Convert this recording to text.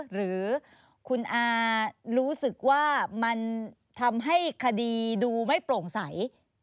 หรือคุณอารู้สึกว่ามันทำให้คดีดูไม่โปร่งใส